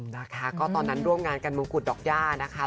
นะคะก็ตอนนั้นร่วมงานกันมงกุฎดอกย่านะคะ